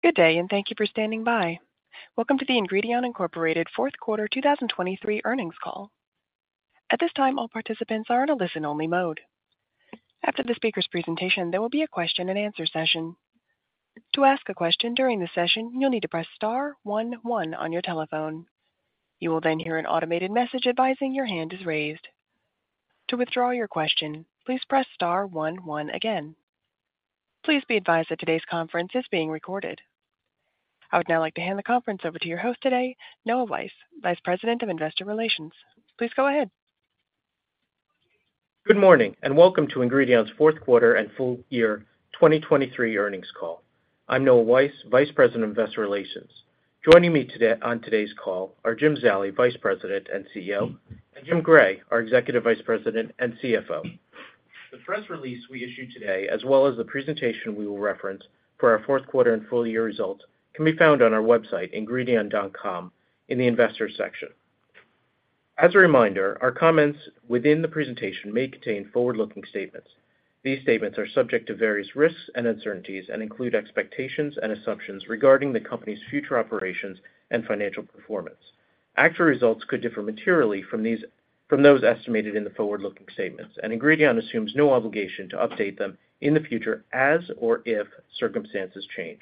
Good day, and thank you for standing by. Welcome to the Ingredion Incorporated Fourth Quarter 2023 earnings call. At this time, all participants are in a listen-only mode. After the speaker's presentation, there will be a question-and-answer session. To ask a question during the session, you'll need to "press star one one" on your telephone. You will then hear an automated message advising your hand is raised. To withdraw your question, "please press star one one" again. Please be advised that today's conference is being recorded. I would now like to hand the conference over to your host today, Noah Weiss, Vice President of Investor Relations. Please go ahead. Good morning, and welcome to Ingredion's fourth quarter and full year 2023 earnings call. I'm Noah Weiss, Vice President of Investor Relations. Joining me today, on today's call are Jim Zallie, Vice President and CEO, and Jim Gray, our Executive Vice President and CFO. The press release we issued today, as well as the presentation we will reference for our fourth quarter and full-year results, can be found on our website, ingredion.com, in the Investors section. As a reminder, our comments within the presentation may contain forward-looking statements. These statements are subject to various risks and uncertainties and include expectations and assumptions regarding the company's future operations and financial performance. Actual results could differ materially from these, from those estimated in the forward-looking statements, and Ingredion assumes no obligation to update them in the future as or if circumstances change.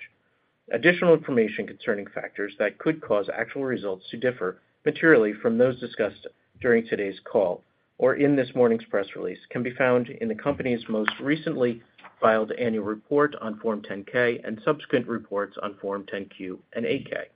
Additional information concerning factors that could cause actual results to differ materially from those discussed during today's call or in this morning's press release can be found in the company's most recently filed annual report on Form 10-K and subsequent reports on Form 10-Q and 8-K.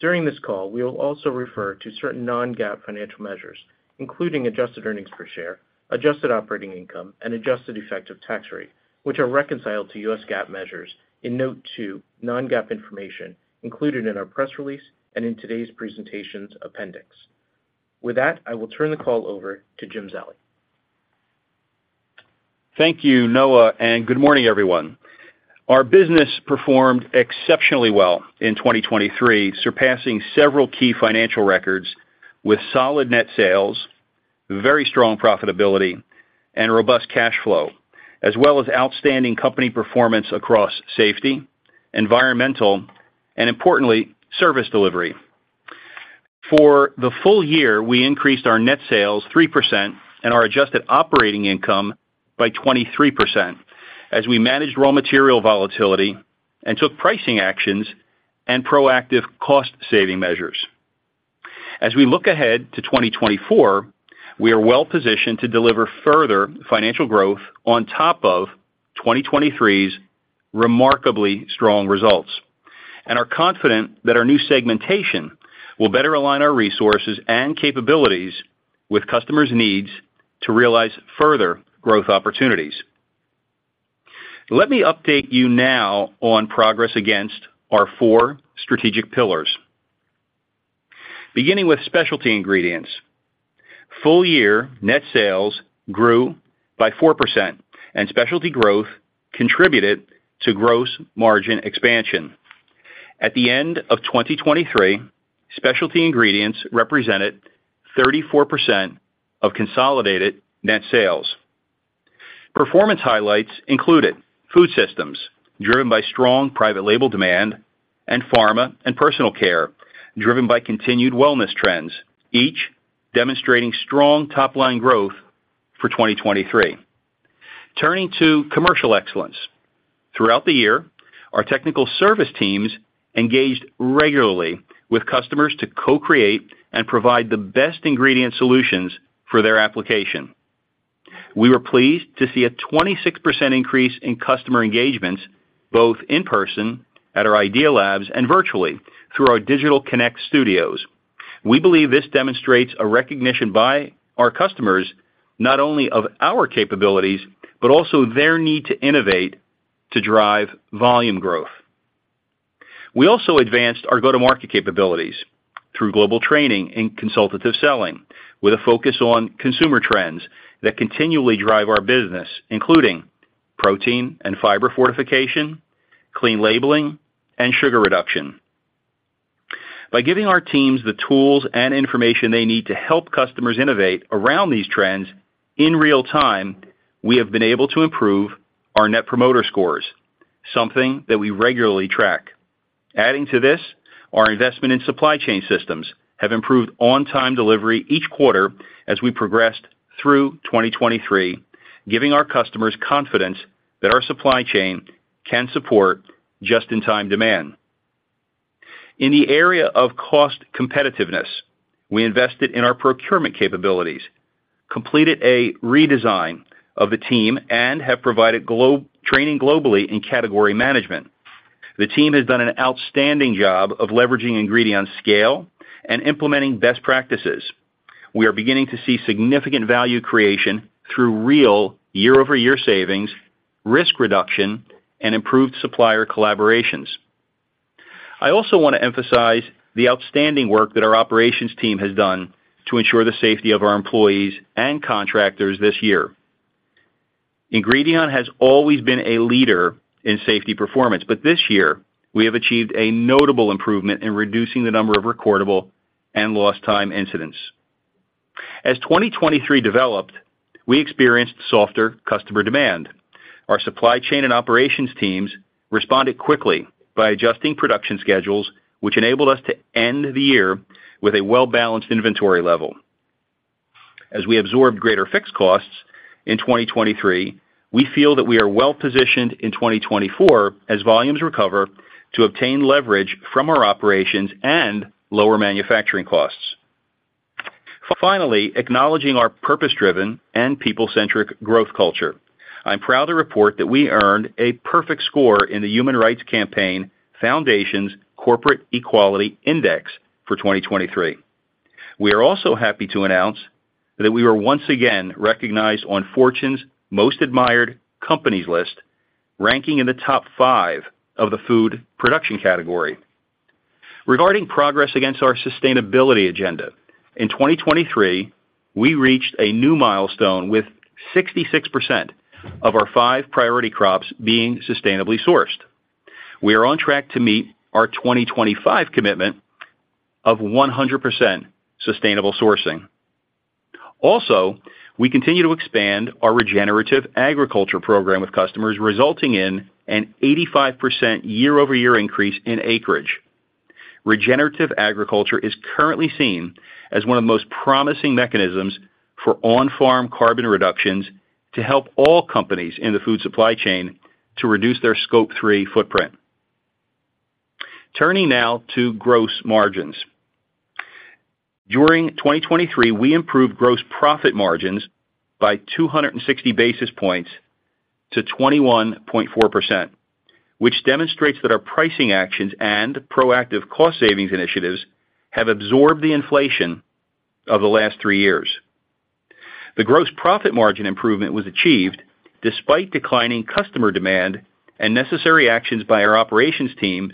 During this call, we will also refer to certain non-GAAP financial measures, including adjusted earnings per share, adjusted operating income, and adjusted effective tax rate, which are reconciled to US GAAP measures in Note 2, non-GAAP information included in our press release and in today's presentations appendix. With that, I will turn the call over to Jim Zallie. Thank you, Noah, and good morning, everyone. Our business performed exceptionally well in 2023, surpassing several key financial records with solid net sales, very strong profitability, and robust cash flow, as well as outstanding company performance across safety, environmental, and importantly, service delivery. For the full year, we increased our net sales 3% and our adjusted operating income by 23% as we managed raw material volatility and took pricing actions and proactive cost-saving measures. As we look ahead to 2024, we are well positioned to deliver further financial growth on top of 2023's remarkably strong results and are confident that our new segmentation will better align our resources and capabilities with customers' needs to realize further growth opportunities. Let me update you now on progress against our four strategic pillars. Beginning with specialty ingredients. Full-year net sales grew by 4%, and specialty growth contributed to gross margin expansion. At the end of 2023, specialty ingredients represented 34% of consolidated net sales. Performance highlights included food systems, driven by strong private label demand, and pharma and personal care, driven by continued wellness trends, each demonstrating strong top-line growth for 2023. Turning to commercial excellence. Throughout the year, our technical service teams engaged regularly with customers to co-create and provide the best ingredient solutions for their application. We were pleased to see a 26% increase in customer engagements, both in person at our Idea Labs and virtually through our Digital Connect Studios. We believe this demonstrates a recognition by our customers, not only of our capabilities, but also their need to innovate to drive volume growth. We also advanced our go-to-market capabilities through global training and consultative selling, with a focus on consumer trends that continually drive our business, including protein and fiber fortification, clean labeling, and sugar reduction. By giving our teams the tools and information they need to help customers innovate around these trends in real time, we have been able to improve our Net Promoter Scores, something that we regularly track. Adding to this, our investment in supply chain systems have improved on-time delivery each quarter as we progressed through 2023, giving our customers confidence that our supply chain can support just-in-time demand. In the area of cost competitiveness, we invested in our procurement capabilities, completed a redesign of the team, and have provided global training globally in category management. The team has done an outstanding job of leveraging ingredient scale and implementing best practices. We are beginning to see significant value creation through real year-over-year savings, risk reduction, and improved supplier collaborations. I also want to emphasize the outstanding work that our operations team has done to ensure the safety of our employees and contractors this year. Ingredion has always been a leader in safety performance, but this year we have achieved a notable improvement in reducing the number of recordable and lost time incidents. As 2023 developed, we experienced softer customer demand. Our supply chain and operations teams responded quickly by adjusting production schedules, which enabled us to end the year with a well-balanced inventory level. As we absorbed greater fixed costs in 2023, we feel that we are well-positioned in 2024 as volumes recover, to obtain leverage from our operations and lower manufacturing costs. Finally, acknowledging our purpose-driven and people-centric growth culture, I'm proud to report that we earned a perfect score in the Human Rights Campaign Foundation's Corporate Equality Index for 2023. We are also happy to announce that we were once again recognized on Fortune's Most Admired Companies list, ranking in the top five of the food production category. Regarding progress against our sustainability agenda, in 2023, we reached a new milestone, with 66% of our five priority crops being sustainably sourced. We are on track to meet our 2025 commitment of 100% sustainable sourcing. Also, we continue to expand our regenerative agriculture program with customers, resulting in an 85% year-over-year increase in acreage. Regenerative agriculture is currently seen as one of the most promising mechanisms for on-farm carbon reductions to help all companies in the food supply chain to reduce their Scope 3 footprint. Turning now to gross margins. During 2023, we improved gross profit margins by 260 basis points to 21.4%, which demonstrates that our pricing actions and proactive cost savings initiatives have absorbed the inflation of the last three years. The gross profit margin improvement was achieved despite declining customer demand and necessary actions by our operations teams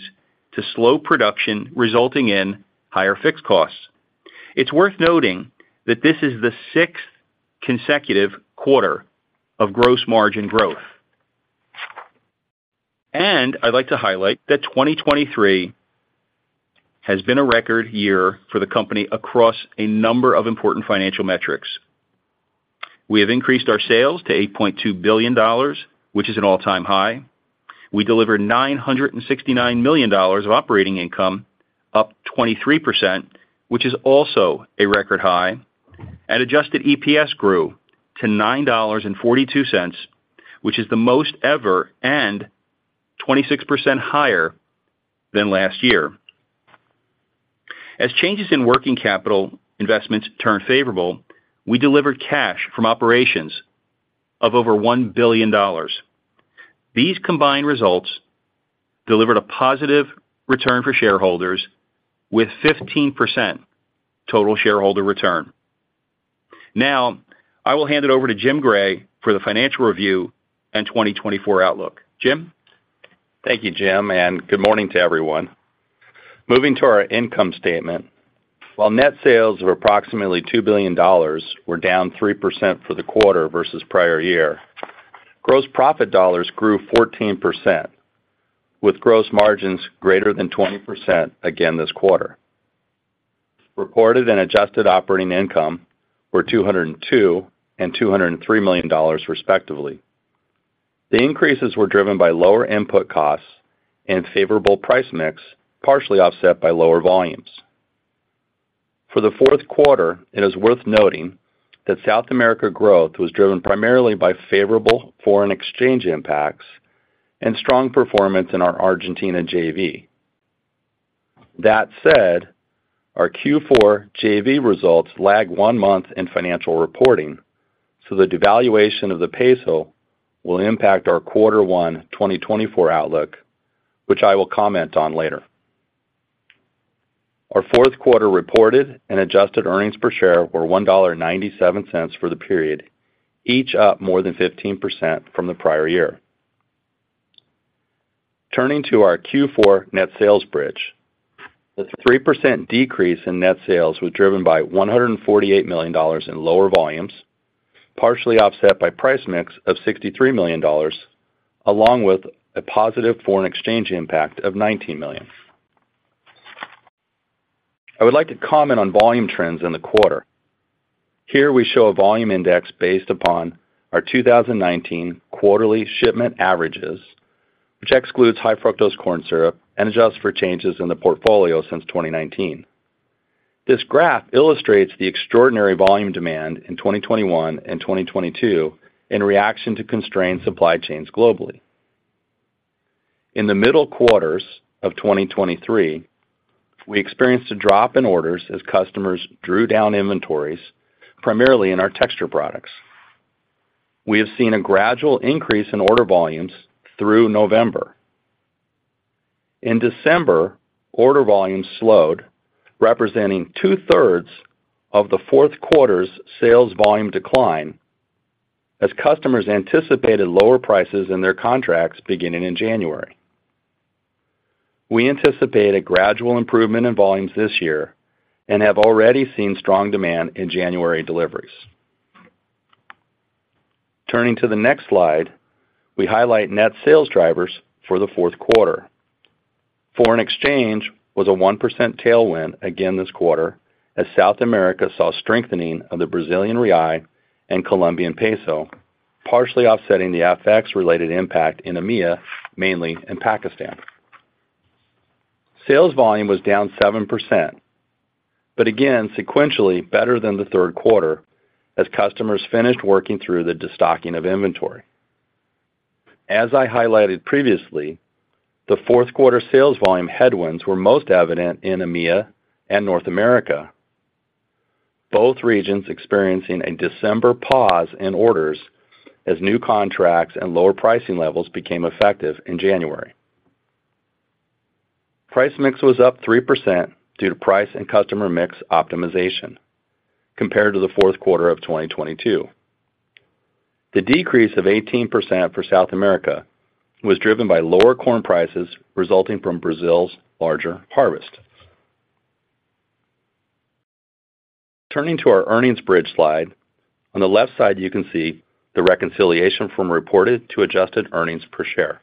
to slow production, resulting in higher fixed costs. It's worth noting that this is the sixth consecutive quarter of gross margin growth. I'd like to highlight that 2023 has been a record year for the company across a number of important financial metrics. We have increased our sales to $8.2 billion, which is an all-time high. We delivered $969 million of operating income, up 23%, which is also a record high. Adjusted EPS grew to $9.42, which is the most ever and 26% higher than last year. As changes in working capital investments turn favorable, we delivered cash from operations of over $1 billion. These combined results delivered a positive return for shareholders with 15% total shareholder return. Now, I will hand it over to Jim Gray for the financial review and 2024 outlook. Jim? Thank you, Jim, and good morning to everyone. Moving to our income statement. While net sales of approximately $2 billion were down 3% for the quarter versus prior year, gross profit dollars grew 14%, with gross margins greater than 20% again this quarter. Recorded and adjusted operating income were $202 million and $203 million, respectively. The increases were driven by lower input costs and favorable price mix, partially offset by lower volumes. For the fourth quarter, it is worth noting that South America growth was driven primarily by favorable foreign exchange impacts and strong performance in our Argentina JV. That said, our Q4 JV results lag one month in financial reporting, so the devaluation of the peso will impact our Q1 2024 outlook, which I will comment on later. Our fourth quarter reported and adjusted earnings per share were $1.97 for the period, each up more than 15% from the prior year. Turning to our Q4 net sales bridge. The 3% decrease in net sales was driven by $148 million in lower volumes, partially offset by price mix of $63 million, along with a positive foreign exchange impact of $19 million. I would like to comment on volume trends in the quarter. Here, we show a volume index based upon our 2019 quarterly shipment averages, which excludes high fructose corn syrup and adjusts for changes in the portfolio since 2019. This graph illustrates the extraordinary volume demand in 2021 and 2022 in reaction to constrained supply chains globally. In the middle quarters of 2023, we experienced a drop in orders as customers drew down inventories, primarily in our Texture products. We have seen a gradual increase in order volumes through November. In December, order volumes slowed, representing two-thirds of the fourth quarter's sales volume decline, as customers anticipated lower prices in their contracts beginning in January. We anticipate a gradual improvement in volumes this year and have already seen strong demand in January deliveries. Turning to the next slide, we highlight net sales drivers for the fourth quarter. Foreign exchange was a 1% tailwind again this quarter, as South America saw strengthening of the Brazilian real and Colombian peso, partially offsetting the FX-related impact in EMEA, mainly in Pakistan. Sales volume was down 7%, but again, sequentially better than the third quarter as customers finished working through the destocking of inventory. As I highlighted previously, the fourth quarter sales volume headwinds were most evident in EMEA and North America. Both regions experiencing a December pause in orders as new contracts and lower pricing levels became effective in January. Price mix was up 3% due to price and customer mix optimization compared to the fourth quarter of 2022. The decrease of 18% for South America was driven by lower corn prices resulting from Brazil's larger harvest. Turning to our earnings bridge slide. On the left side, you can see the reconciliation from reported to adjusted earnings per share.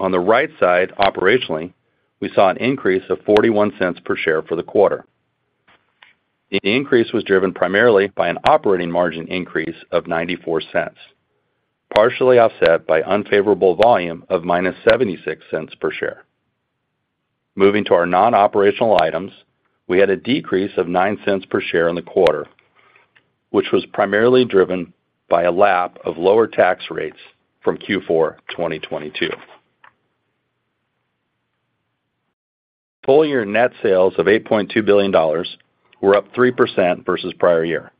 On the right side, operationally, we saw an increase of $0.41 per share for the quarter. The increase was driven primarily by an operating margin increase of $0.94, partially offset by unfavorable volume of -$0.76 per share. Moving to our non-operational items, we had a decrease of $0.09 per share in the quarter, which was primarily driven by a lapse of lower tax rates from Q4 2022. Full-year net sales of $8.2 billion were up 3% versus prior year.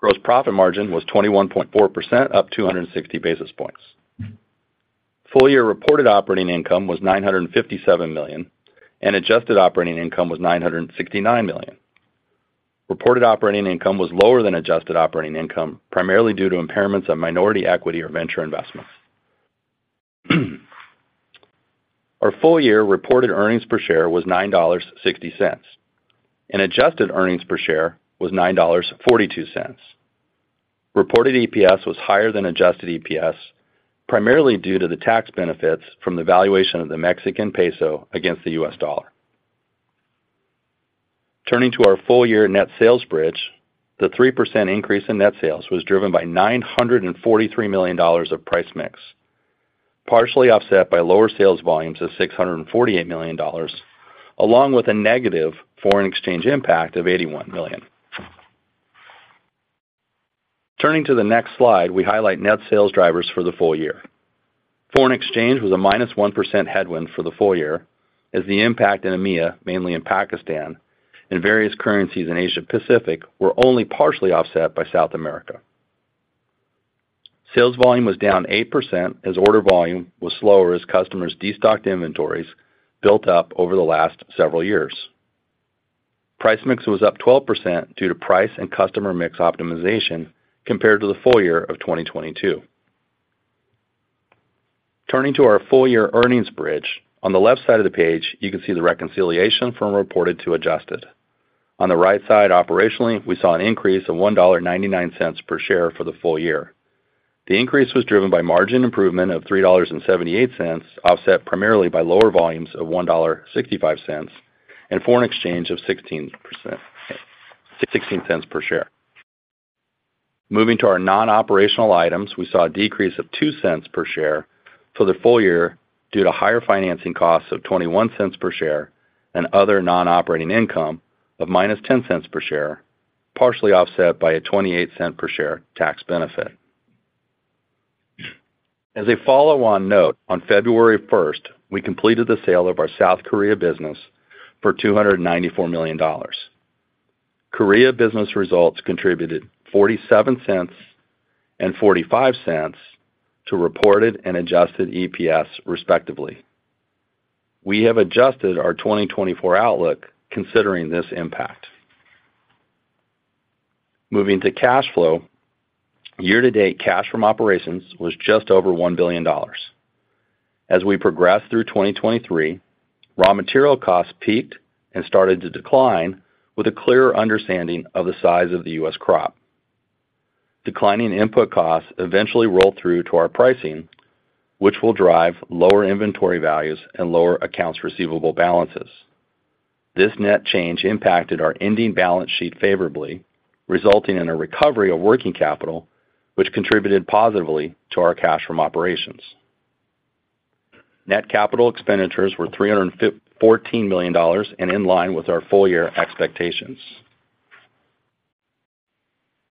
Gross profit margin was 21.4%, up 260 basis points. Full-year reported operating income was $957 million, and adjusted operating income was $969 million. Reported operating income was lower than adjusted operating income, primarily due to impairments of minority equity or venture investments. Our full-year reported earnings per share was $9.60, and adjusted earnings per share was $9.42. Reported EPS was higher than adjusted EPS, primarily due to the tax benefits from the valuation of the Mexican peso against the US dollar. Turning to our full-year net sales bridge, the 3% increase in net sales was driven by $943 million of price mix, partially offset by lower sales volumes of $648 million, along with a negative foreign exchange impact of $81 million. Turning to the next slide, we highlight net sales drivers for the full year. Foreign exchange was a -1% headwind for the full year, as the impact in EMEA, mainly in Pakistan, and various currencies in Asia-Pacific, were only partially offset by South America. Sales volume was down 8% as order volume was slower as customers destocked inventories built up over the last several years. Price mix was up 12% due to price and customer mix optimization compared to the full year of 2022. Turning to our full-year earnings bridge. On the left side of the page, you can see the reconciliation from reported to adjusted. On the right side, operationally, we saw an increase of $1.99 per share for the full year. The increase was driven by margin improvement of $3.78, offset primarily by lower volumes of $1.65 and foreign exchange of $0.16 per share. Moving to our non-operational items, we saw a decrease of $0.02 per share for the full year due to higher financing costs of $0.21 per share and other non-operating income of -$0.10 per share, partially offset by a $0.28 per share tax benefit. As a follow-on note, on February first, we completed the sale of our South Korea business for $294 million. Korea business results contributed $0.47 and $0.45 to reported and adjusted EPS, respectively. We have adjusted our 2024 outlook considering this impact. Moving to cash flow. Year-to-date cash from operations was just over $1 billion. As we progress through 2023, raw material costs peaked and started to decline with a clearer understanding of the size of the U.S. crop. Declining input costs eventually rolled through to our pricing, which will drive lower inventory values and lower accounts receivable balances. This net change impacted our ending balance sheet favorably, resulting in a recovery of working capital, which contributed positively to our cash from operations. Net capital expenditures were $314 million and in line with our full-year expectations.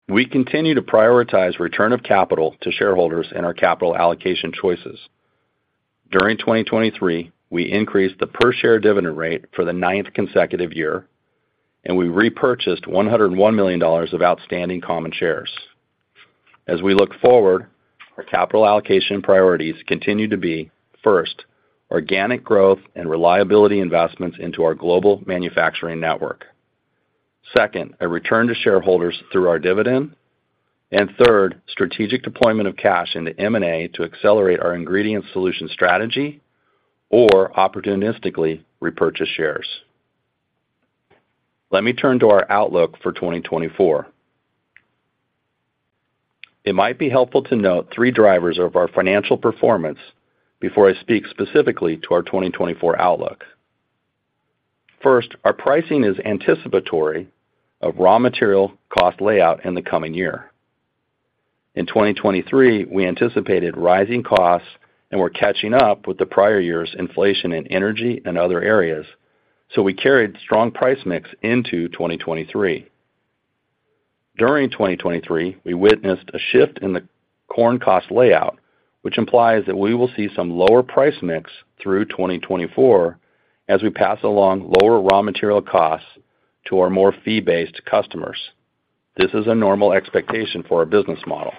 We continue to prioritize return of capital to shareholders in our capital allocation choices. During 2023, we increased the per-share dividend rate for the ninth consecutive year, and we repurchased $101 million of outstanding common shares. As we look forward, our capital allocation priorities continue to be, first, organic growth and reliability investments into our global manufacturing network. Second, a return to shareholders through our dividend. And third, strategic deployment of cash into M&A to accelerate our ingredient solution strategy or opportunistically repurchase shares. Let me turn to our outlook for 2024. It might be helpful to note three drivers of our financial performance before I speak specifically to our 2024 outlook. First, our pricing is anticipatory of raw material cost outlay in the coming year. In 2023, we anticipated rising costs and were catching up with the prior year's inflation in energy and other areas, so we carried strong price mix into 2023. During 2023, we witnessed a shift in the corn cost outlook, which implies that we will see some lower price mix through 2024 as we pass along lower raw material costs to our more fee-based customers. This is a normal expectation for our business model.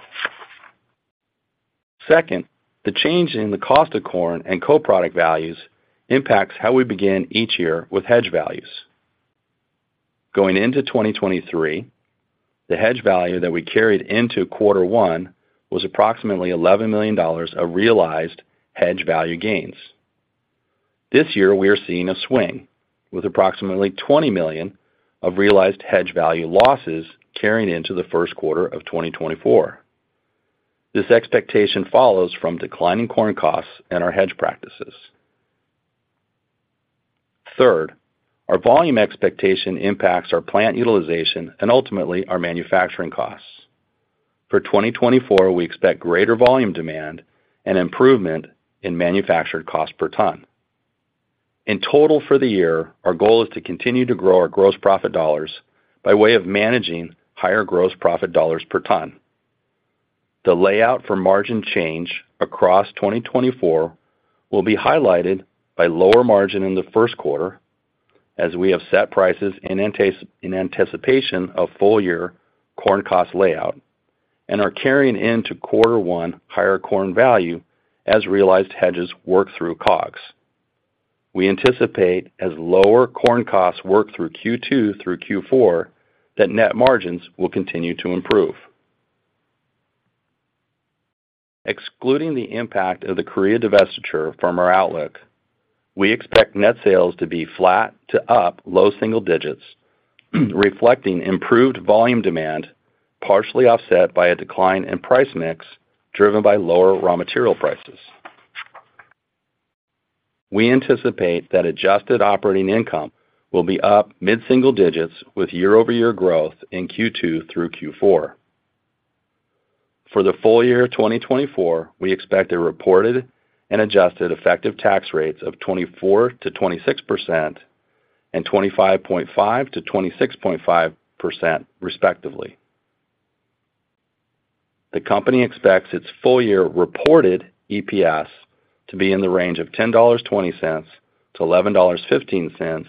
Second, the change in the cost of corn and co-product values impacts how we begin each year with hedge values. Going into 2023, the hedge value that we carried into quarter one was approximately $11 million of realized hedge value gains. This year, we are seeing a swing, with approximately $20 million of realized hedge value losses carrying into the first quarter of 2024. This expectation follows from declining corn costs and our hedge practices. Third, our volume expectation impacts our plant utilization and ultimately, our manufacturing costs. For 2024, we expect greater volume demand and improvement in manufactured cost per ton. In total, for the year, our goal is to continue to grow our gross profit dollars by way of managing higher gross profit dollars per ton. The layout for margin change across 2024 will be highlighted by lower margin in the first quarter, as we have set prices in anticipation of full-year corn cost layout and are carrying into quarter one higher corn value as realized hedges work through COGS. We anticipate, as lower corn costs work through Q2 through Q4, that net margins will continue to improve. Excluding the impact of the Korea divestiture from our outlook, we expect net sales to be flat to up low single digits, reflecting improved volume demand, partially offset by a decline in price mix, driven by lower raw material prices. We anticipate that adjusted operating income will be up mid-single digits with year-over-year growth in Q2 through Q4. For the full year of 2024, we expect a reported and adjusted effective tax rates of 24%-26% and 25.5%-26.5%, respectively. The company expects its full-year reported EPS to be in the range of $10.20-$11.15,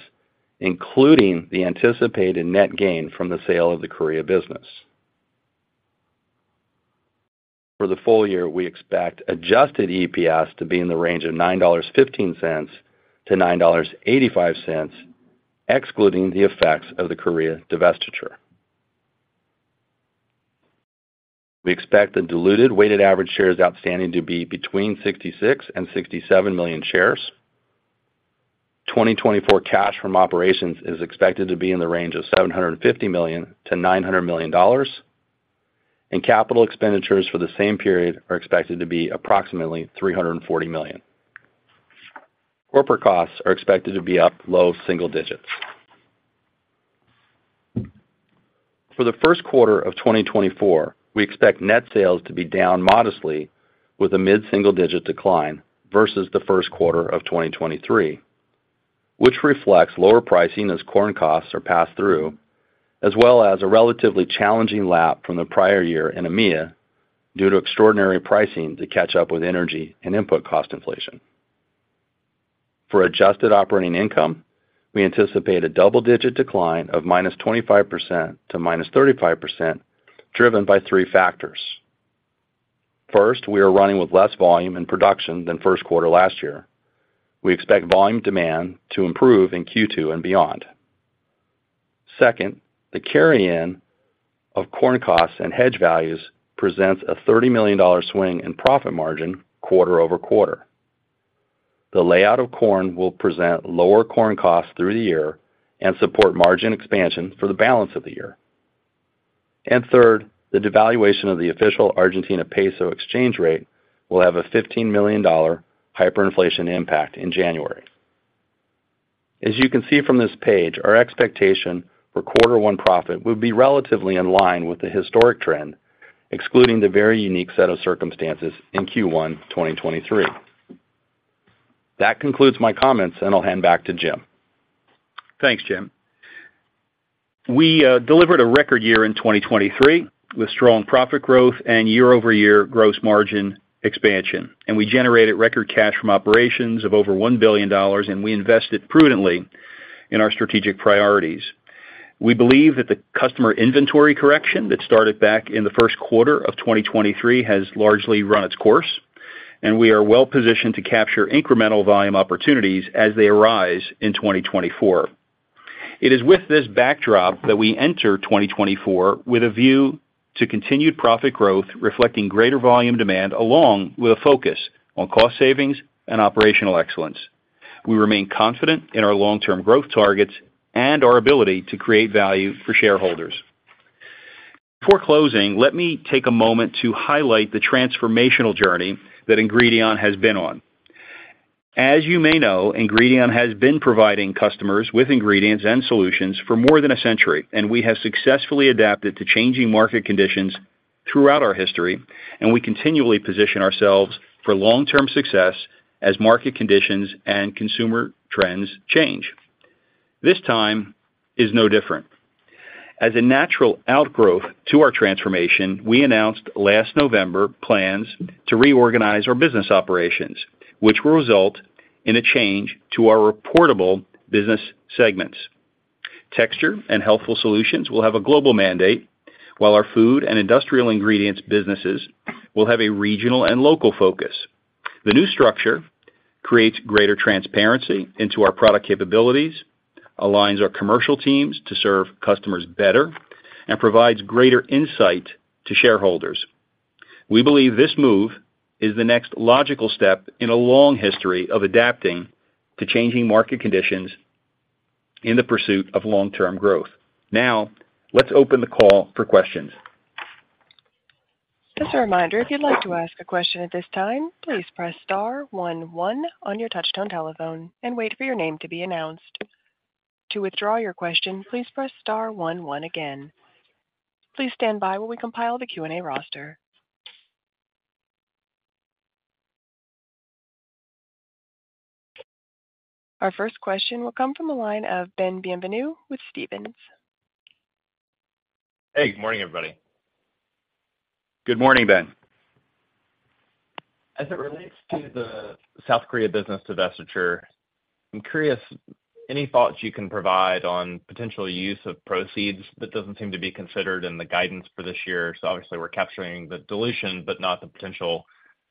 including the anticipated net gain from the sale of the Korea business. For the full year, we expect adjusted EPS to be in the range of $9.15-$9.85, excluding the effects of the Korea divestiture. We expect the diluted weighted average shares outstanding to be between 66 and 67 million shares. 2024 cash from operations is expected to be in the range of $750 million-$900 million, and capital expenditures for the same period are expected to be approximately $340 million. Corporate costs are expected to be up low single digits. For the first quarter of 2024, we expect net sales to be down modestly, with a mid-single-digit decline versus the first quarter of 2023, which reflects lower pricing as corn costs are passed through, as well as a relatively challenging lap from the prior year in EMEA due to extraordinary pricing to catch up with energy and input cost inflation. For adjusted operating income, we anticipate a double-digit decline of -25% to -35%, driven by three factors. First, we are running with less volume in production than first quarter last year. We expect volume demand to improve in Q2 and beyond. Second, the carry-in of corn costs and hedge values presents a $30 million swing in profit margin quarter over quarter. The layout of corn will present lower corn costs through the year and support margin expansion for the balance of the year. And third, the devaluation of the official Argentine peso exchange rate will have a $15 million hyperinflation impact in January. As you can see from this page, our expectation for Q1 profit would be relatively in line with the historic trend, excluding the very unique set of circumstances in Q1 2023. That concludes my comments, and I'll hand back to Jim. Thanks, Jim. We delivered a record year in 2023, with strong profit growth and year-over-year gross margin expansion, and we generated record cash from operations of over $1 billion, and we invested prudently in our strategic priorities. We believe that the customer inventory correction that started back in the first quarter of 2023 has largely run its course, and we are well-positioned to capture incremental volume opportunities as they arise in 2024. It is with this backdrop that we enter 2024 with a view to continued profit growth, reflecting greater volume demand, along with a focus on cost savings and operational excellence. We remain confident in our long-term growth targets and our ability to create value for shareholders. Before closing, let me take a moment to highlight the transformational journey that Ingredion has been on. As you may know, Ingredion has been providing customers with ingredients and solutions for more than a century, and we have successfully adapted to changing market conditions throughout our history, and we continually position ourselves for long-term success as market conditions and consumer trends change. This time is no different. As a natural outgrowth to our transformation, we announced last November plans to reorganize our business operations, which will result in a change to our reportable business segments. Texture and Healthful Solutions will have a global mandate, while our Food and Industrial Ingredients businesses will have a regional and local focus. The new structure creates greater transparency into our product capabilities, aligns our commercial teams to serve customers better, and provides greater insight to shareholders. We believe this move is the next logical step in a long history of adapting to changing market conditions in the pursuit of long-term growth. Now, let's open the call for questions. Just a reminder, if you'd like to ask a question at this time, "please press star one, one" on your touchtone telephone and wait for your name to be announced. To withdraw your question, "please press star one, one" again. Please stand by while we compile the Q&A roster. Our first question will come from the line of Ben Bienvenu with Stephens. Hey, good morning, everybody. Good morning, Ben. As it relates to the South Korea business divestiture, I'm curious, any thoughts you can provide on potential use of proceeds that doesn't seem to be considered in the guidance for this year? Obviously, we're capturing the dilution, but not the potential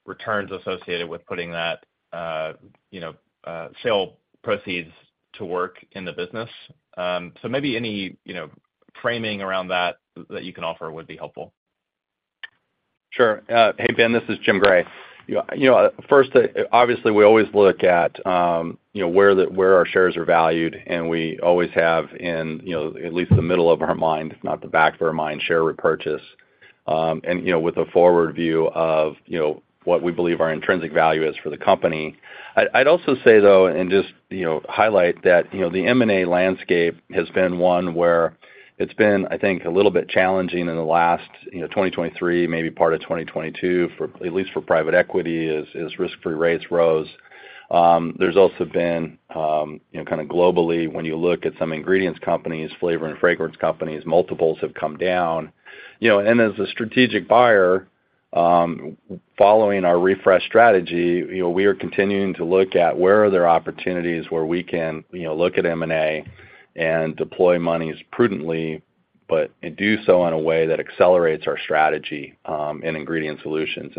returns associated with putting that, you know, sale proceeds to work in the business. Maybe any, you know, framing around that, that you can offer would be helpful. Sure. Hey, Ben, this is Jim Gray. You know, first, obviously, we always look at where our shares are valued, and we always have in, you know, at least the middle of our mind, if not the back of our mind, share repurchase, and, you know, with a forward view of, you know, what we believe our intrinsic value is for the company. I'd also say, though, and just, you know, highlight that, you know, the M&A landscape has been one where it's been, I think, a little bit challenging in the last, you know, 2023, maybe part of 2022, for at least for private equity, as risk-free rates rose. There's also been, you know, kind of globally, when you look at some ingredients companies, flavor and fragrance companies, multiples have come down. You know, as a strategic buyer, following our refresh strategy, you know, we are continuing to look at where are there opportunities where we can, you know, look at M&A and deploy monies prudently, but and do so in a way that accelerates our strategy in ingredient solutions.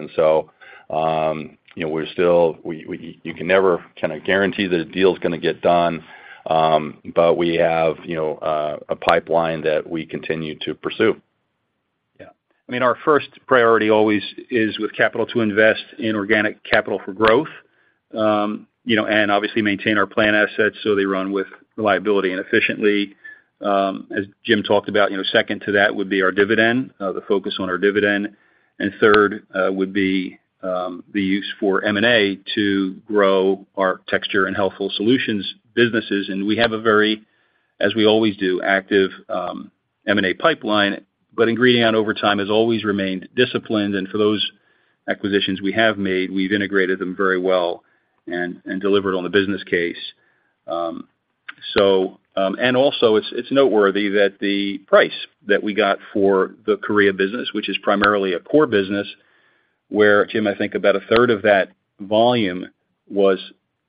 You know, we're still you can never kind of guarantee that a deal is going to get done, but we have, you know, a pipeline that we continue to pursue. Yeah. I mean, our first priority always is with capital to invest in organic capital for growth, you know, and obviously maintain our plant assets, so they run with reliability and efficiently. As Jim talked about, you know, second to that would be our dividend, the focus on our dividend. And third, would be, the use for M&A to grow our texture and healthful solutions businesses. And we have a very, as we always do, active, M&A pipeline, but Ingredion, over time, has always remained disciplined, and for those acquisitions we have made, we've integrated them very well and delivered on the business case. So, and also it's noteworthy that the price that we got for the Korea business, which is primarily a core business, where, Jim, I think about a third of that volume was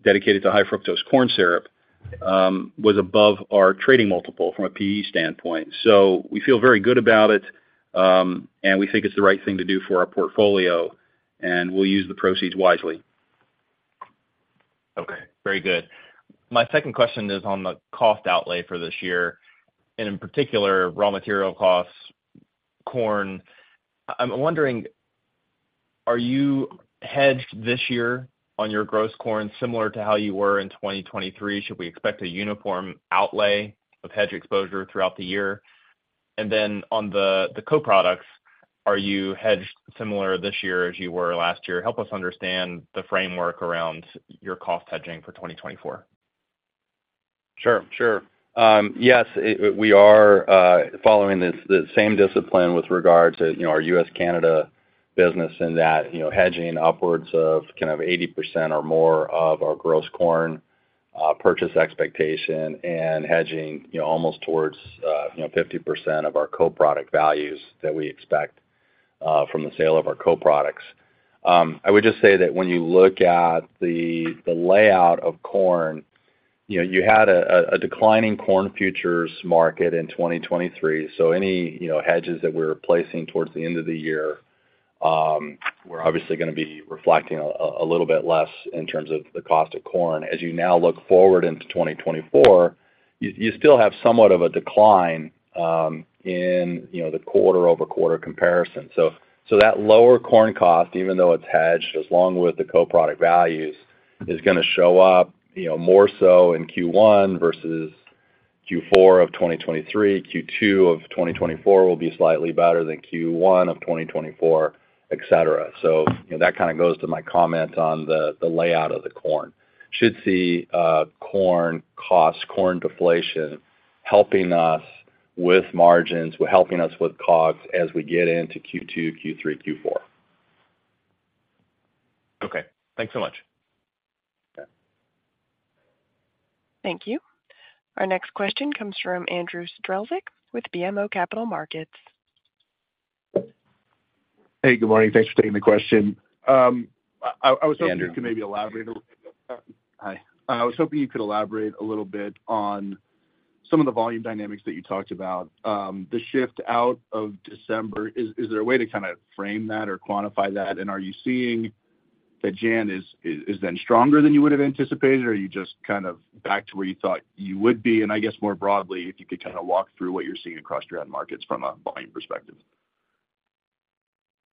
dedicated to high fructose corn syrup, was above our trading multiple from a PE standpoint. So we feel very good about it, and we think it's the right thing to do for our portfolio, and we'll use the proceeds wisely. Okay, very good. My second question is on the cost outlay for this year, and in particular, raw material costs, corn. I'm wondering, are you hedged this year on your gross corn, similar to how you were in 2023? Should we expect a uniform outlay of hedge exposure throughout the year? And then on the, the co-products, are you hedged similar this year as you were last year? Help us understand the framework around your cost hedging for 2024. Sure, sure. Yes, it—we are following this, the same discipline with regard to, you know, our U.S., Canada business in that, you know, hedging upwards of kind of 80% or more of our gross corn purchase expectation and hedging, you know, almost towards, you know, 50% of our co-product values that we expect, uh, from the sale of our co-products. I would just say that when you look at the, the layout of corn, you know, you had a, a declining corn futures market in 2023. So any, you know, hedges that we're placing towards the end of the year, we're obviously gonna be reflecting a, a little bit less in terms of the cost of corn. As you now look forward into 2024, you, you still have somewhat of a decline, um, in, you know, the quarter-over-quarter comparison. So, so that lower corn cost, even though it's hedged, as long with the co-product values, is gonna show up, you know, more so in Q1 versus Q4 of 2023. Q2 of 2024 will be slightly better than Q1 of 2024, et cetera. So, you know, that kind of goes to my comment on the, the layout of the corn. Should see, corn costs, corn deflation, helping us with margins, with helping us with COGS as we get into Q2, Q3, Q4. Okay, thanks so much. Yeah. Thank you. Our next question comes from Andrew Strelzik with BMO Capital Markets. Hey, good morning. Thanks for taking the question. I was hoping- Andrew. You could maybe elaborate a little bit. Hi. I was hoping you could elaborate a little bit on some of the volume dynamics that you talked about. The shift out of December, is there a way to kinda frame that or quantify that? And are you seeing that January is then stronger than you would have anticipated, or are you just kind of back to where you thought you would be? And I guess, more broadly, if you could kinda walk through what you're seeing across your end markets from a volume perspective.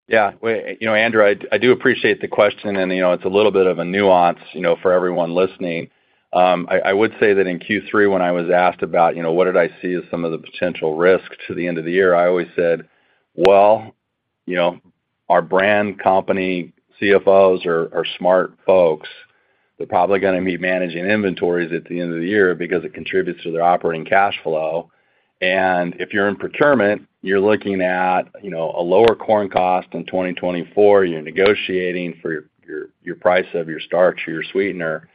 Yeah. Well, you know, Andrew, I do appreciate the question, and, you know, it's a little bit of a nuance, you know, for everyone listening. I would say that in Q3, when I was asked about, you know, what did I see as some of the potential risks to the end of the year, I always said, "Well, you know, our brand company CFOs are smart folks. They're probably gonna be managing inventories at the end of the year because it contributes to their operating cash flow." And if you're in procurement, you're looking at, you know, a lower corn cost in 2024, you're negotiating for your price of your starch or your sweetener.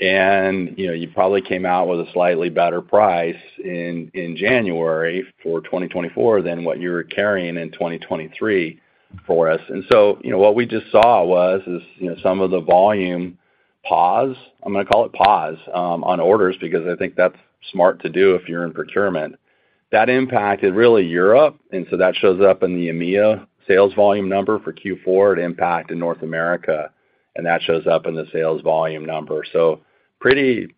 And, you know, you probably came out with a slightly better price in January for 2024 than what you were carrying in 2023 for us. And so, you know, what we just saw was, you know, some of the volume pause. I'm gonna call it pause on orders, because I think that's smart to do if you're in procurement. That impacted, really, Europe, and so that shows up in the EMEA sales volume number for Q4. It impacted North America, and that shows up in the sales volume number. So pretty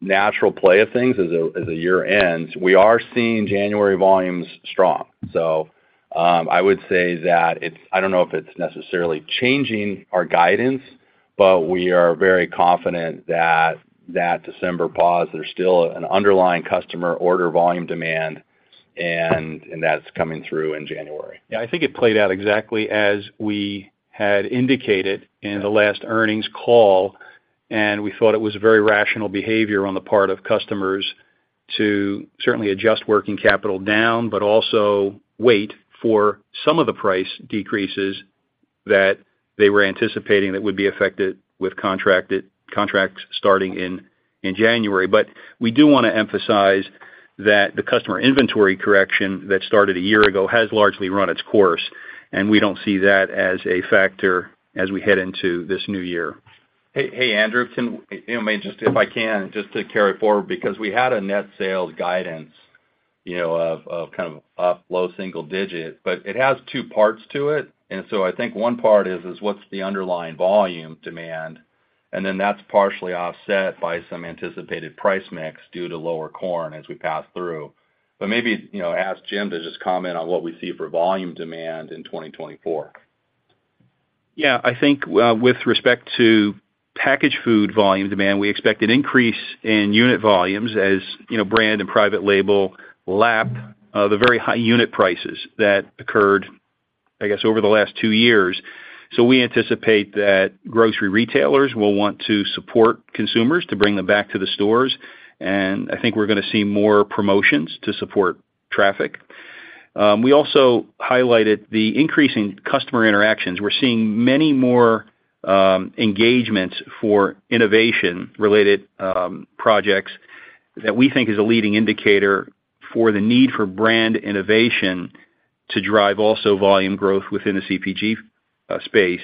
natural play of things as the year ends. We are seeing January volumes strong. So, I would say that it's—I don't know if it's necessarily changing our guidance, but we are very confident that that December pause, there's still an underlying customer order volume demand, and that's coming through in January. Yeah, I think it played out exactly as we had indicated. In the last earnings call, we thought it was very rational behavior on the part of customers to certainly adjust working capital down, but also wait for some of the price decreases that they were anticipating that would be affected with contracts starting in January. But we do wanna emphasize that the customer inventory correction that started a year ago has largely run its course, and we don't see that as a factor as we head into this new year. Hey, hey, Andrew. You know, maybe just, if I can, just to carry it forward, because we had a net sales guidance, you know, of kind of up low-single-digit, but it has two parts to it. And so I think one part is what's the underlying volume demand? And then that's partially offset by some anticipated price mix due to lower corn as we pass through. But maybe, you know, ask Jim to just comment on what we see for volume demand in 2024. Yeah, I think with respect to packaged food volume demand, we expect an increase in unit volumes as, you know, brand and private label lapped the very high unit prices that occurred, I guess, over the last 2 years. So we anticipate that grocery retailers will want to support consumers to bring them back to the stores, and I think we're gonna see more promotions to support traffic. We also highlighted the increasing customer interactions. We're seeing many more engagements for innovation-related projects that we think is a leading indicator for the need for brand innovation to drive also volume growth within the CPG space.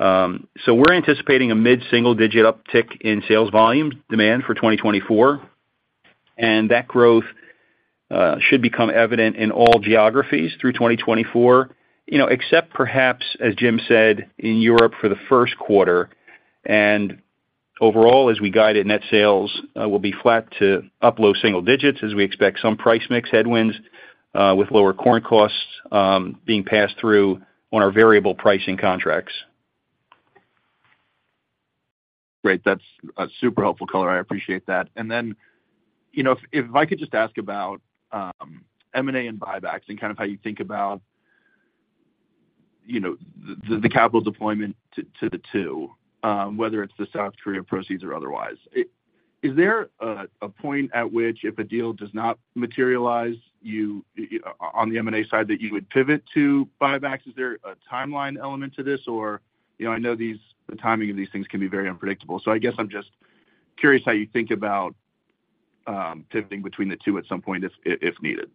So we're anticipating a mid-single-digit uptick in sales volume demand for 2024, and that growth should become evident in all geographies through 2024. You know, except perhaps, as Jim said, in Europe for the first quarter. Overall, as we guided, net sales will be flat to up low single digits, as we expect some price mix headwinds with lower corn costs being passed through on our variable pricing contracts. Great. That's a super helpful color. I appreciate that. And then, you know, if I could just ask about M&A and buybacks and kind of how you think about, you know, the capital deployment to the two, whether it's the South Korea proceeds or otherwise. Is there a point at which if a deal does not materialize, you on the M&A side, that you would pivot to buybacks? Is there a timeline element to this? Or... You know, I know the timing of these things can be very unpredictable. So I guess I'm just curious how you think about pivoting between the two at some point if needed.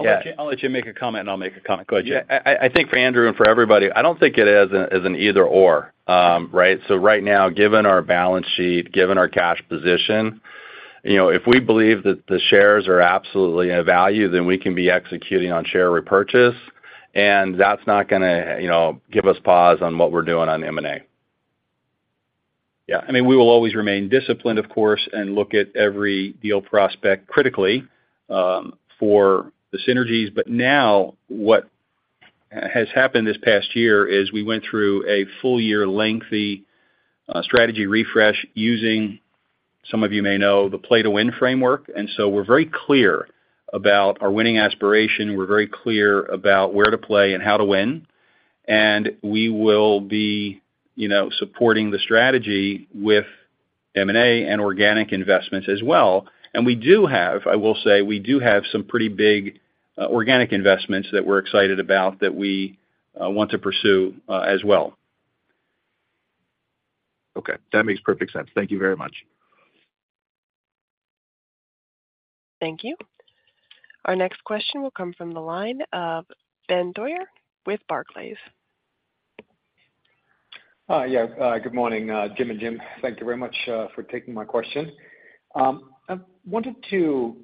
Yeah. I'll let you, I'll let you make a comment, and I'll make a comment. Go ahead. Yeah, I think for Andrew and for everybody, I don't think it is an either/or. Right? So right now, given our balance sheet, given our cash position, you know, if we believe that the shares are absolutely of value, then we can be executing on share repurchase, and that's not gonna, you know, give us pause on what we're doing on M&A. Yeah, I mean, we will always remain disciplined, of course, and look at every deal prospect critically for the synergies. But now what has happened this past year is we went through a full year lengthy strategy refresh using, some of you may know, the Play to Win framework. And so we're very clear about our winning aspiration, we're very clear about where to play and how to win, and we will be, you know, supporting the strategy with M&A and organic investments as well. And we do have, I will say, we do have some pretty big organic investments that we're excited about that we want to pursue as well. Okay, that makes perfect sense. Thank you very much. Thank you. Our next question will come from the line of Benjamin Theurer with Barclays. Yeah, good morning, Jim and Jim. Thank you very much for taking my question. I wanted to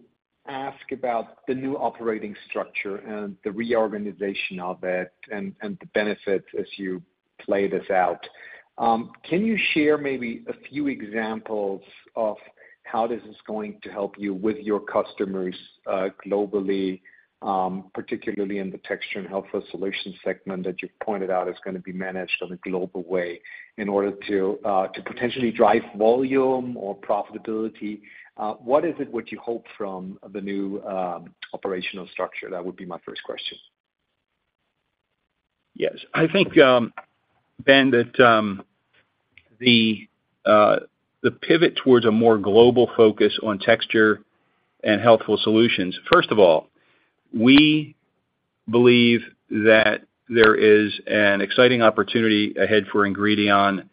ask about the new operating structure and the reorganization of it and, and the benefits as you play this out. Can you share maybe a few examples of how this is going to help you with your customers, globally, particularly in the Texture and Healthful Solutions segment that you pointed out is gonna be managed on a global way, in order to, to potentially drive volume or profitability? What is it what you hope from the new, operational structure? That would be my first question. Yes. I think, Ben, that, the pivot towards a more global focus on Texture and Healthful Solutions. First of all, we believe that there is an exciting opportunity ahead for Ingredion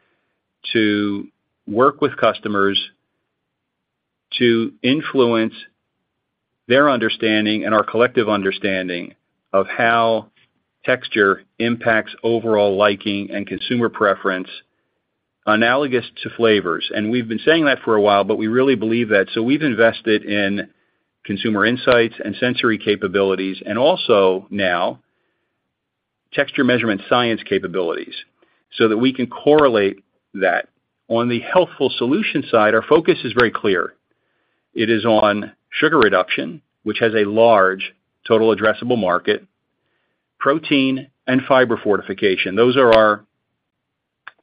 to work with customers to influence their understanding and our collective understanding of how texture impacts overall liking and consumer preference, analogous to flavors. And we've been saying that for a while, but we really believe that. So we've invested in consumer insights and sensory capabilities, and also now, texture measurement science capabilities, so that we can correlate that. On the healthful solution side, our focus is very clear. It is on sugar reduction, which has a large total addressable market, protein and fiber fortification. Those are our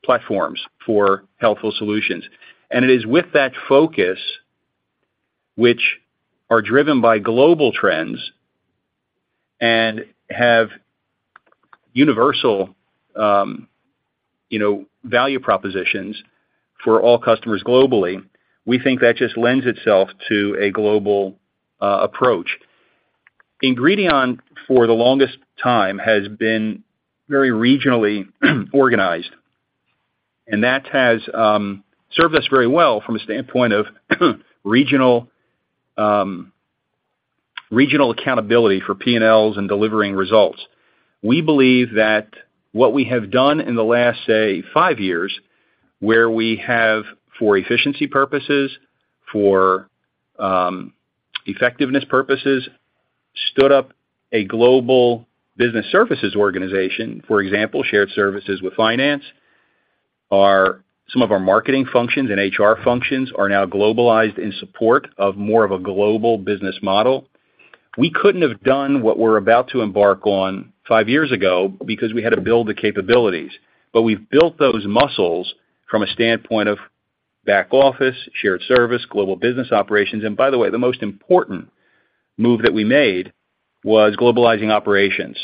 platforms for healthful solutions. It is with that focus, which are driven by global trends and have universal, you know, value propositions for all customers globally, we think that just lends itself to a global, approach. Ingredion, for the longest time, has been very regionally organized, and that has served us very well from a standpoint of regional, regional accountability for PNLs and delivering results. We believe that what we have done in the last, say, five years, where we have, for efficiency purposes, for, effectiveness purposes, stood up a global business services organization. For example, shared services with finance, some of our marketing functions and HR functions are now globalized in support of more of a global business model. We couldn't have done what we're about to embark on five years ago because we had to build the capabilities, but we've built those muscles from a standpoint of back office, shared service, global business operations. And by the way, the most important move that we made was globalizing operations.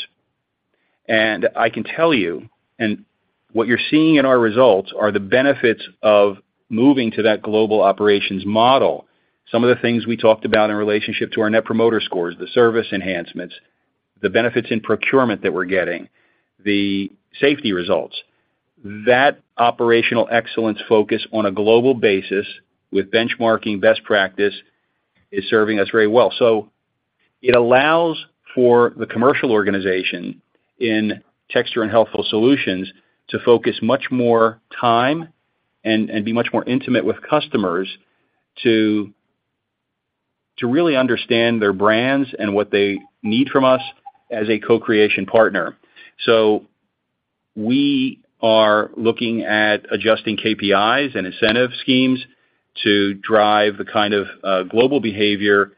And I can tell you, and what you're seeing in our results, are the benefits of moving to that global operations model. Some of the things we talked about in relationship to our Net Promoter Scores, the service enhancements, the benefits in procurement that we're getting, the safety results. That operational excellence focus on a global basis with benchmarking best practice is serving us very well. So it allows for the commercial organization in Texture and Healthful Solutions to focus much more time and be much more intimate with customers to really understand their brands and what they need from us as a co-creation partner. So we are looking at adjusting KPIs and incentive schemes to drive the kind of global behavior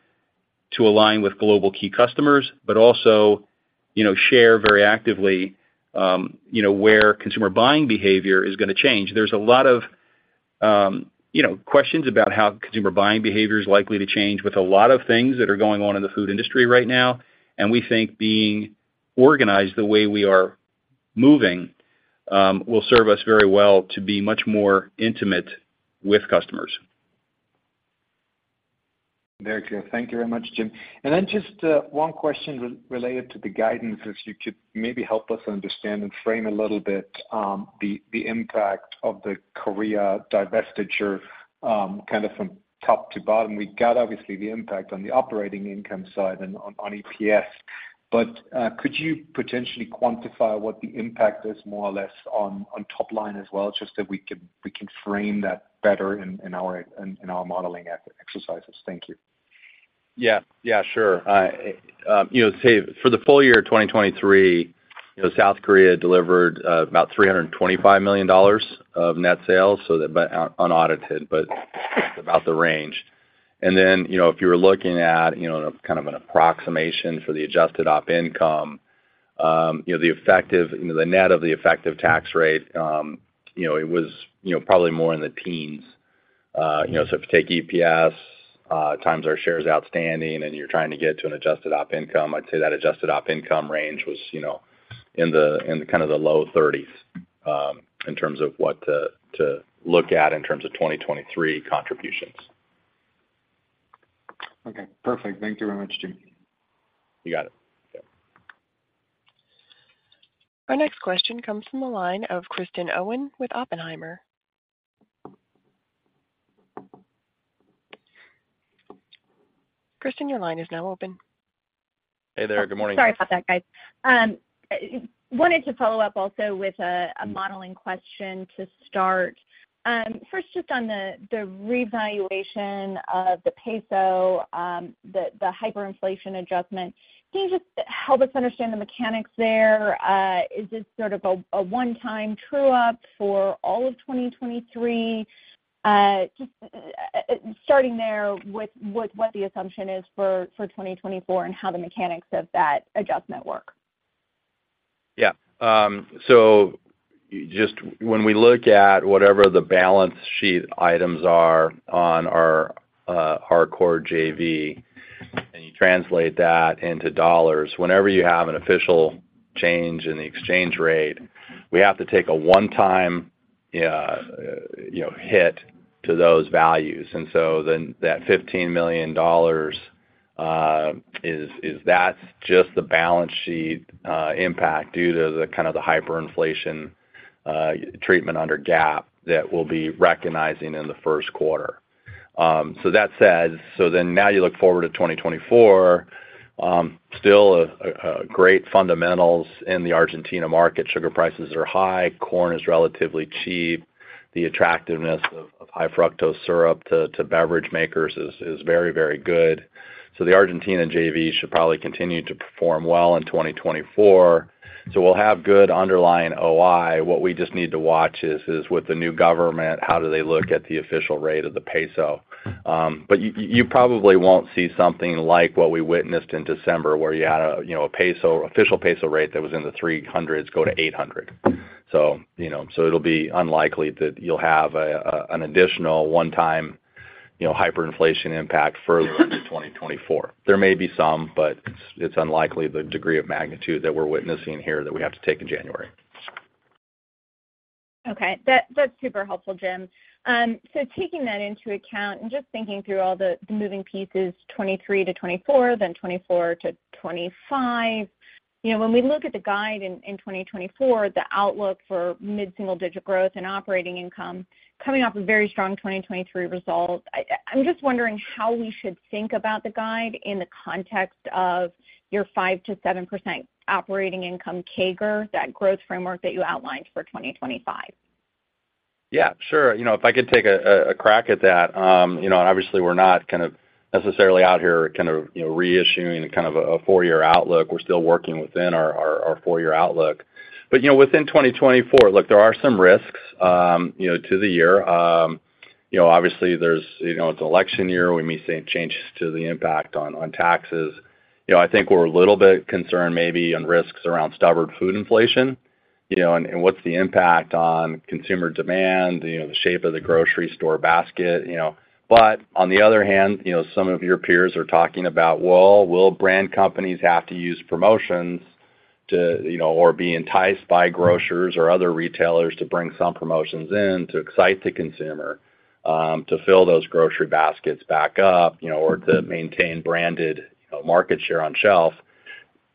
to align with global key customers, but also, you know, share very actively, you know, where consumer buying behavior is gonna change. There's a lot of, you know, questions about how consumer buying behavior is likely to change with a lot of things that are going on in the food industry right now, and we think being organized the way we are moving will serve us very well to be much more intimate with customers. Very clear. Thank you very much, Jim. And then just one question related to the guidance, if you could maybe help us understand and frame a little bit, the impact of the Korea divestiture, kind of from top to bottom. We got, obviously, the impact on the operating income side and on EPS. But could you potentially quantify what the impact is more or less on top line as well, just so we can frame that better in our modeling exercises? Thank you. Yeah, yeah, sure. You know, say for the full year of 2023, you know, South Korea delivered about $325 million of net sales, so that but unaudited, but about the range. And then, you know, if you were looking at, you know, kind of an approximation for the adjusted op income, you know, the effective, you know, the net of the effective tax rate, you know, it was, you know, probably more in the teens. You know, so if you take EPS times our shares outstanding, and you're trying to get to an adjusted op income, I'd say that adjusted op income range was, you know, in the, in kind of the low thirties, in terms of what to look at in terms of 2023 contributions. Okay, perfect. Thank you very much, Jim. You got it. Yeah. Our next question comes from the line of Kristen Owen with Oppenheimer. Kristen, your line is now open. Hey there. Good morning. Sorry about that, guys. Wanted to follow up also with a modeling question to start. First, just on the revaluation of the peso, the hyperinflation adjustment. Can you just help us understand the mechanics there? Is this sort of a one-time true-up for all of 2023? Just starting there with what the assumption is for 2024 and how the mechanics of that adjustment work. Yeah. So just when we look at whatever the balance sheet items are on our Arcor JV, and you translate that into dollars, whenever you have an official change in the exchange rate, we have to take a one-time, you know, hit to those values. And so then that $15 million is that's just the balance sheet impact due to the kind of the hyperinflation treatment under GAAP that we'll be recognizing in the first quarter. So that said, so then now you look forward to 2024, still a great fundamentals in the Argentina market. Sugar prices are high, corn is relatively cheap. The attractiveness of high fructose syrup to beverage makers is very, very good. So the Argentina JV should probably continue to perform well in 2024. So we'll have good underlying OI. What we just need to watch is with the new government, how do they look at the official rate of the peso? But you probably won't see something like what we witnessed in December, where you had a, you know, a peso, official peso rate that was in the 300s go to 800. So, you know, so it'll be unlikely that you'll have a, an additional one-time, you know, hyperinflation impact further into 2024. There may be some, but it's unlikely the degree of magnitude that we're witnessing here that we have to take in January. Okay, that's super helpful, Jim. So taking that into account and just thinking through all the moving pieces, 2023 to 2024, then 2024 to 2025. You know, when we look at the guide in 2024, the outlook for mid-single-digit growth in operating income, coming off a very strong 2023 result, I'm just wondering how we should think about the guide in the context of your 5%-7% operating income CAGR, that growth framework that you outlined for 2025. Yeah, sure. You know, if I could take a crack at that. You know, obviously, we're not kind of necessarily out here kind of, you know, reissuing kind of a four-year outlook. We're still working within our four-year outlook. But, you know, within 2024, look, there are some risks to the year. You know, obviously, there's, you know, it's an election year. We may see changes to the impact on taxes. You know, I think we're a little bit concerned maybe on risks around stubborn food inflation, you know, and what's the impact on consumer demand, you know, the shape of the grocery store basket, you know. But on the other hand, you know, some of your peers are talking about, well, will brand companies have to use promotions to, you know, or be enticed by grocers or other retailers to bring some promotions in to excite the consumer, to fill those grocery baskets back up, you know, or to maintain branded, you know, market share on shelf?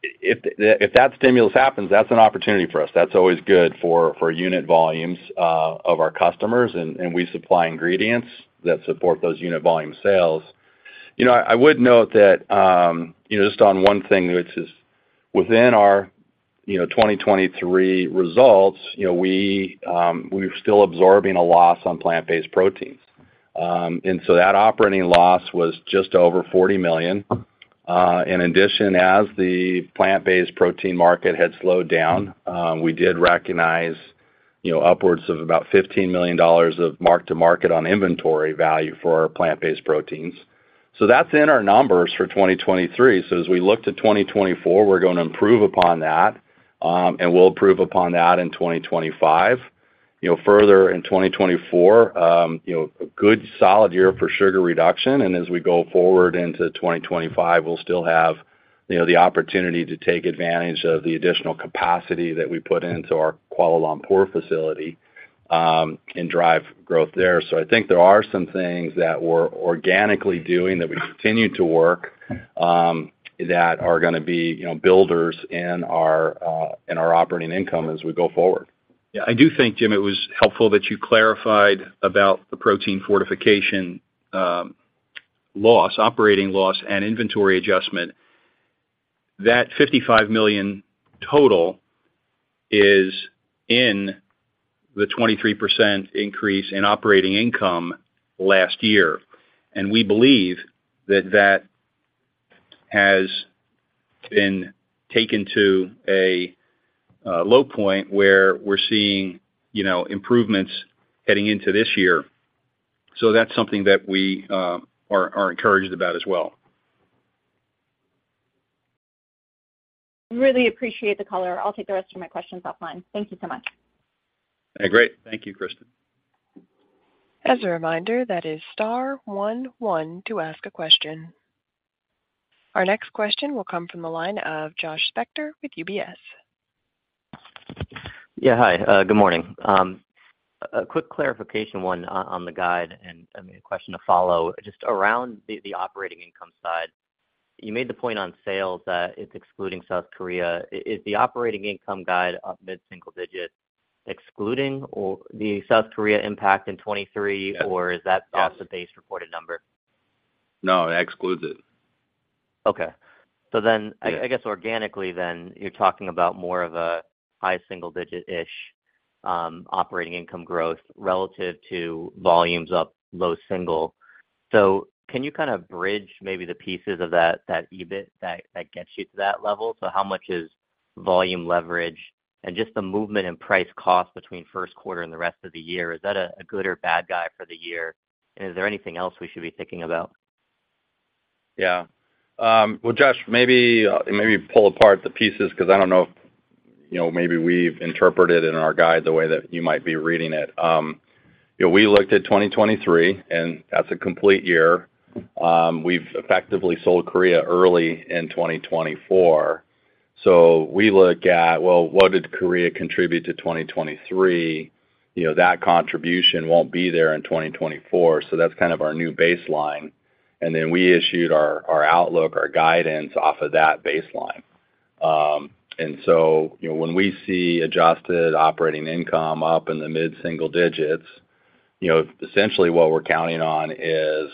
If, if that stimulus happens, that's an opportunity for us. That's always good for, for unit volumes, of our customers, and, and we supply ingredients that support those unit volume sales. You know, I would note that, you know, just on one thing, which is within our, you know, 2023 results, you know, we, we're still absorbing a loss on plant-based proteins. And so that operating loss was just over $40 million. In addition, as the plant-based protein market had slowed down, we did recognize, you know, upwards of about $15 million of mark-to-market on inventory value for our plant-based proteins. So that's in our numbers for 2023. So as we look to 2024, we're going to improve upon that, and we'll improve upon that in 2025. You know, further in 2024, you know, a good solid year for sugar reduction, and as we go forward into 2025, we'll still have, you know, the opportunity to take advantage of the additional capacity that we put into our Kuala Lumpur facility, and drive growth there. So I think there are some things that we're organically doing that we continue to work, that are gonna be, you know, builders in our, in our operating income as we go forward. Yeah, I do think, Jim, it was helpful that you clarified about the protein fortification. loss, operating loss and inventory adjustment, that $55 million total is in the 23% increase in operating income last year. We believe that that has been taken to a low point where we're seeing, you know, improvements heading into this year. That's something that we are encouraged about as well. Really appreciate the color. I'll take the rest of my questions offline. Thank you so much. Great. Thank you, Kristen. As a reminder, "that is star one, one" to ask a question. Our next question will come from the line of Josh Spector with UBS. Yeah, hi. Good morning. A quick clarification, one on the guide, and I mean a question to follow. Just around the operating income side, you made the point on sales that it's excluding South Korea. Is the operating income guide up mid-single digit, excluding or the South Korea impact in 2023 also base reported number? No, it excludes it. Okay. So then- Yeah I guess organically then, you're talking about more of a high single digit-ish operating income growth relative to volumes up, low single. So can you kind of bridge maybe the pieces of that, that EBIT that gets you to that level? So how much is volume leverage? And just the movement in price cost between first quarter and the rest of the year, is that a good or bad guy for the year? And is there anything else we should be thinking about? Yeah. Well, Josh, maybe, maybe pull apart the pieces because I don't know if, you know, maybe we've interpreted in our guide the way that you might be reading it. You know, we looked at 2023, and that's a complete year. We've effectively sold Korea early in 2024. So we look at, well, what did Korea contribute to 2023? You know, that contribution won't be there in 2024, so that's kind of our new baseline. And then we issued our, our outlook, our guidance off of that baseline. And so, you know, when we see adjusted operating income up in the mid-single digits, you know, essentially what we're counting on is,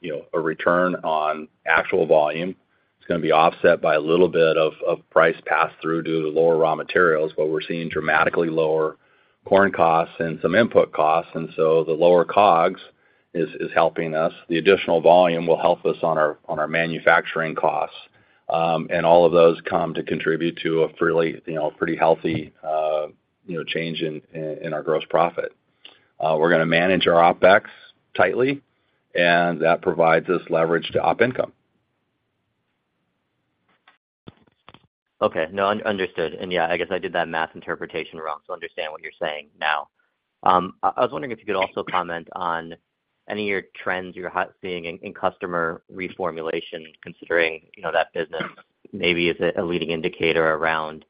you know, a return on actual volume. It's gonna be offset by a little bit of price pass-through due to lower raw materials, but we're seeing dramatically lower corn costs and some input costs, and so the lower COGS is helping us. The additional volume will help us on our manufacturing costs. And all of those come to contribute to a fairly, you know, pretty healthy, you know, change in our gross profit. We're gonna manage our OpEx tightly, and that provides us leverage to op income. Okay. No, understood. And yeah, I guess I did that math interpretation wrong, so understand what you're saying now. I was wondering if you could also comment on any of your trends you're seeing in customer reformulation, considering, you know, that business maybe is a leading indicator around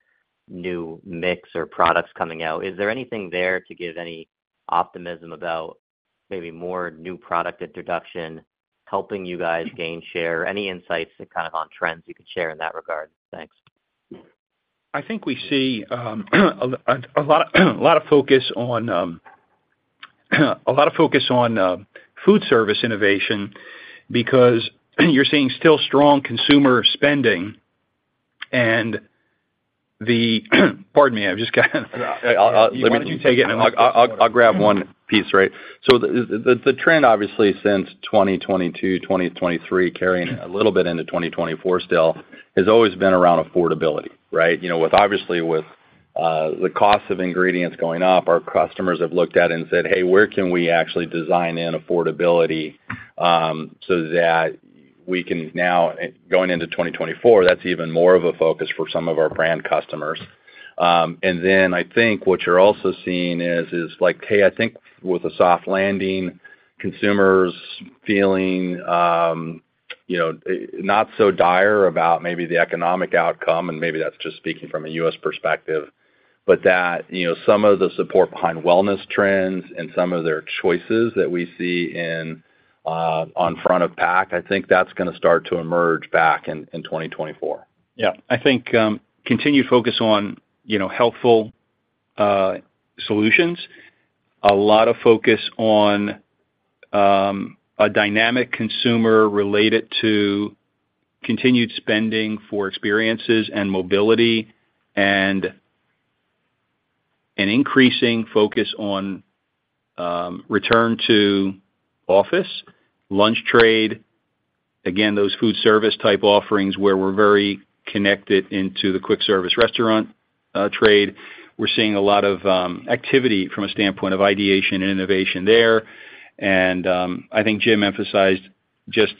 new mix or products coming out. Is there anything there to give any optimism about maybe more new product introduction helping you guys gain share? Any insights kind of on trends you could share in that regard? Thanks. I think we see a lot of focus on food service innovation because you're seeing still strong consumer spending, and the—pardon me, I've just got... Yeah. Let me take it, and I'll grab one piece, right? So the trend, obviously, since 2022, 2023, carrying a little bit into 2024 still, has always been around affordability, right? You know, with obviously, with the cost of ingredients going up, our customers have looked at it and said, "Hey, where can we actually design in affordability, so that we can now," going into 2024, that's even more of a focus for some of our brand customers. And then I think what you're also seeing is like, hey, I think with a soft landing, consumers feeling, you know, not so dire about maybe the economic outcome, and maybe that's just speaking from a U.S. perspective, but that, you know, some of the support behind wellness trends and some of their choices that we see in on front of pack, I think that's gonna start to emerge back in 2024. Yeah. I think, continued focus on, you know, healthful, solutions, a lot of focus on, a dynamic consumer related to continued spending for experiences and mobility, and an increasing focus on, return to office, lunch trade. Again, those food service type offerings, where we're very connected into the quick service restaurant, trade. We're seeing a lot of, activity from a standpoint of ideation and innovation there. And, I think Jim emphasized just,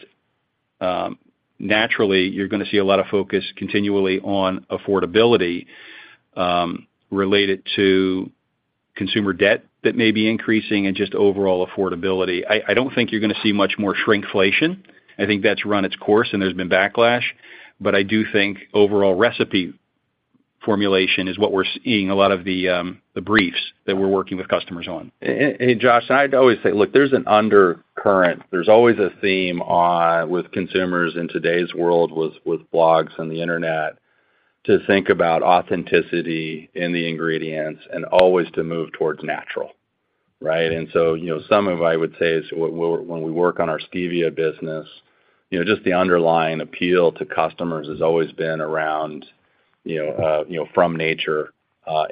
naturally, you're gonna see a lot of focus continually on affordability, related to consumer debt that may be increasing and just overall affordability. I, I don't think you're gonna see much more shrinkflation. I think that's run its course, and there's been backlash, but I do think overall recipe formulation is what we're seeing a lot of the, the briefs that we're working with customers on. And Josh, I'd always say, look, there's an undercurrent. There's always a theme with consumers in today's world with blogs and the internet... to think about authenticity in the ingredients and always to move towards natural, right? And so, you know, some of I would say is when we work on our Stevia business, you know, just the underlying appeal to customers has always been around, you know, from nature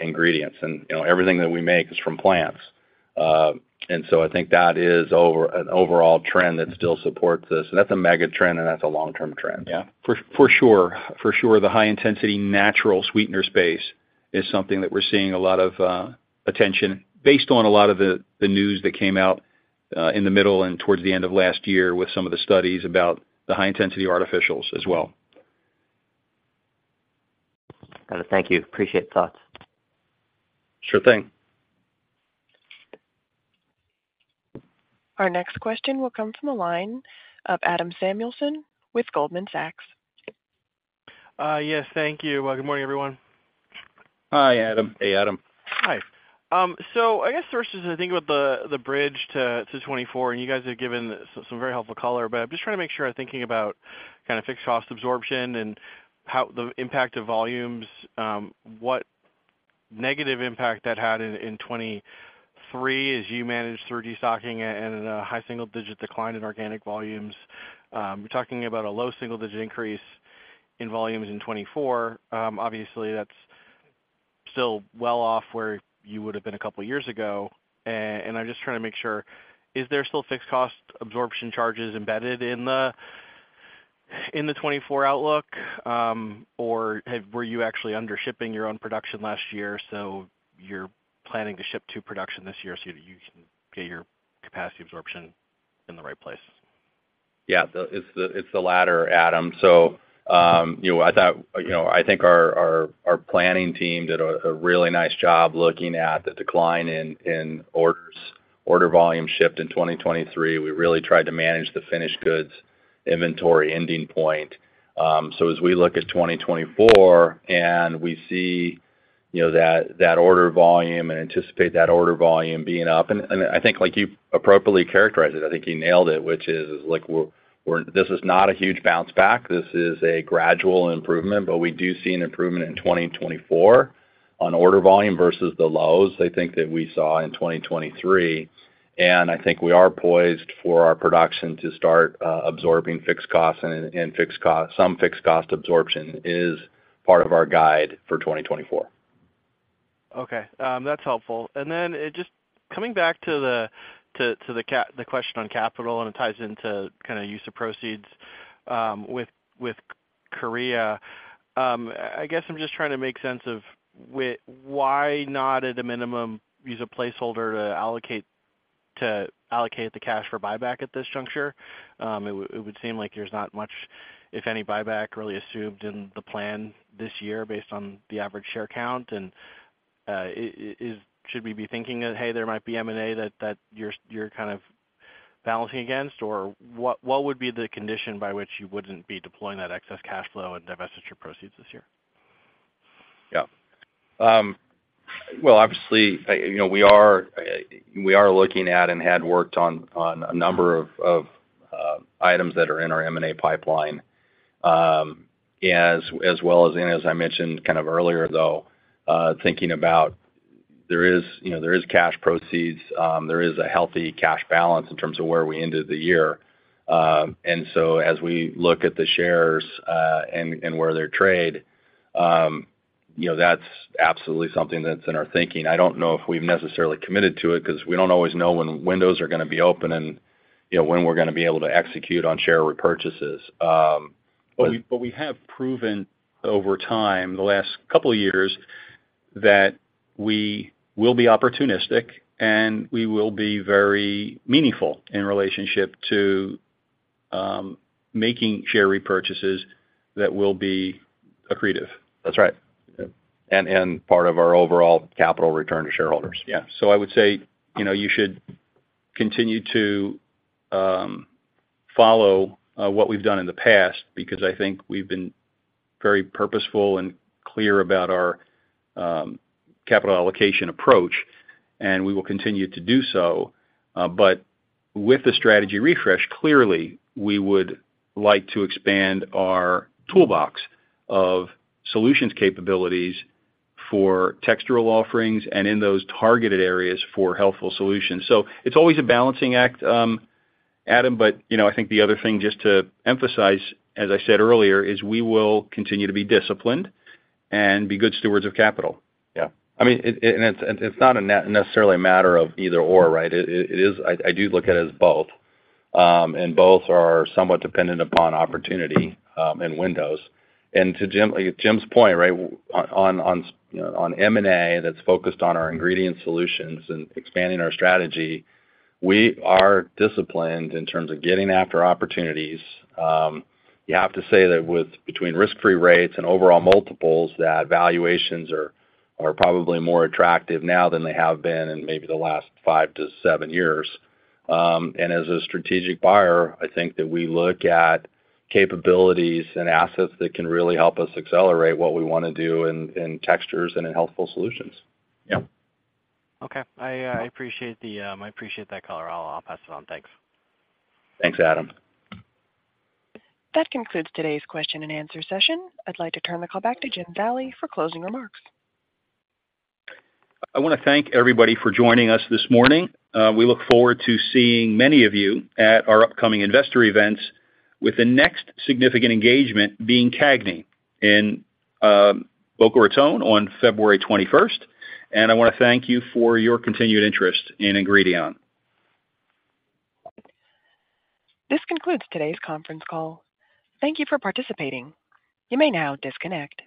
ingredients. And, you know, everything that we make is from plants. And so I think that is an overall trend that still supports this, and that's a mega trend, and that's a long-term trend. Yeah. For sure. For sure, the high-intensity natural sweetener space is something that we're seeing a lot of attention based on a lot of the news that came out in the middle and towards the end of last year with some of the studies about the high-intensity artificials as well. Got it. Thank you. Appreciate the thoughts. Sure thing. Our next question will come from the line of Adam Samuelson with Goldman Sachs. Yes, thank you. Well, good morning, everyone. Hi, Adam. Hey, Adam. Hi. So I guess first, as I think about the bridge to 2024, and you guys have given some very helpful color, but I'm just trying to make sure I'm thinking about kind of fixed cost absorption and how the impact of volumes, what negative impact that had in 2023 as you managed through destocking and a high single-digit decline in organic volumes. You're talking about a low single-digit increase in volumes in 2024. Obviously, that's still well off where you would have been a couple of years ago. And I'm just trying to make sure, is there still fixed cost absorption charges embedded in the 2024 outlook? Or have you actually under shipping your own production last year, so you're planning to ship to production this year so that you can get your capacity absorption in the right place? Yeah, it's the latter, Adam. So, you know, I thought, you know, I think our planning team did a really nice job looking at the decline in order volume shipped in 2023. We really tried to manage the finished goods inventory ending point. So as we look at 2024 and we see, you know, that order volume and anticipate that order volume being up, and I think, like you appropriately characterized it, I think you nailed it, which is like, we're—this is not a huge bounce back. This is a gradual improvement, but we do see an improvement in 2024 on order volume versus the lows, I think, that we saw in 2023. And I think we are poised for our production to start absorbing fixed costs, and some fixed cost absorption is part of our guide for 2024. Okay, that's helpful. And then just coming back to the question on capital, and it ties into kind of use of proceeds, with Korea. I guess I'm just trying to make sense of why not, at a minimum, use a placeholder to allocate the cash for buyback at this juncture? It would seem like there's not much, if any, buyback really assumed in the plan this year based on the average share count. And, should we be thinking that, hey, there might be M&A that you're kind of balancing against? Or what would be the condition by which you wouldn't be deploying that excess cash flow and divestiture proceeds this year? Yeah. Well, obviously, you know, we are, we are looking at and had worked on, on a number of, of, items that are in our M&A pipeline. As, as well as, and as I mentioned kind of earlier, though, thinking about there is, you know, there is cash proceeds, there is a healthy cash balance in terms of where we ended the year. And so as we look at the shares, and, and where they're trading, you know, that's absolutely something that's in our thinking. I don't know if we've necessarily committed to it 'cause we don't always know when windows are gonna be open and, you know, when we're gonna be able to execute on share repurchases, but- But we have proven over time, the last couple of years, that we will be opportunistic, and we will be very meaningful in relationship to making share repurchases that will be accretive. That's right. Yep, and, and part of our overall capital return to shareholders. Yeah. So I would say, you know, you should continue to follow what we've done in the past because I think we've been very purposeful and clear about our capital allocation approach, and we will continue to do so. But with the strategy refresh, clearly, we would like to expand our toolbox of solutions capabilities for textural offerings and in those targeted areas for healthful solutions. So it's always a balancing act, Adam, but, you know, I think the other thing, just to emphasize, as I said earlier, is we will continue to be disciplined and be good stewards of capital. Yeah. I mean, it's not necessarily a matter of either/or, right? It is. I do look at it as both, and both are somewhat dependent upon opportunity and windows. And to Jim's point, right, on, you know, on M&A that's focused on our ingredient solutions and expanding our strategy, we are disciplined in terms of getting after opportunities. You have to say that with between risk-free rates and overall multiples, that valuations are probably more attractive now than they have been in maybe the last five to seven years. And as a strategic buyer, I think that we look at capabilities and assets that can really help us accelerate what we wanna do in textures and in healthful solutions. Yep. Okay. I appreciate that color. I'll pass it on. Thanks. Thanks, Adam. That concludes today's question and answer session. I'd like to turn the call back to Jim Zallie for closing remarks. I wanna thank everybody for joining us this morning. We look forward to seeing many of you at our upcoming investor events, with the next significant engagement being CAGNY in Boca Raton on February twenty-first. I wanna thank you for your continued interest in Ingredion. This concludes today's conference call. Thank you for participating. You may now disconnect.